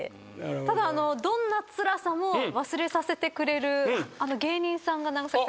ただどんなつらさも忘れさせてくれる芸人さんがいたんですよね？